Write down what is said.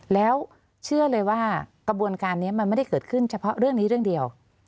แล้วเชื่อเลยว่ากระบวนการนี้มันไม่ได้เกิดขึ้นเฉพาะเรื่องนี้เรื่องเดียว